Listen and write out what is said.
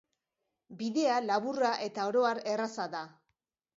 Bidea laburra eta oro har erraza da.